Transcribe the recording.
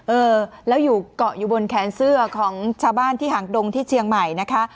เออแล้วอยู่เกาะอยู่บนแขนเสื้อของชาวบ้านที่หางดงที่เชียงใหม่นะคะ